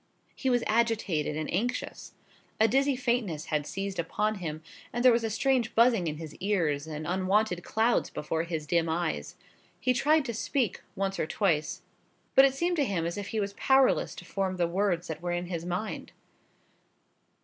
He was agitated and anxious. A dizzy faintness had seized upon him, and there was a strange buzzing in his ears, and unwonted clouds before his dim eyes. He tried to speak once or twice, but it seemed to him as if he was powerless to form the words that were in his mind.